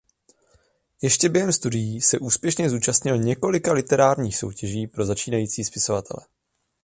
Ještě během studií se úspěšně zúčastnil několika literárních soutěží pro začínající spisovatele.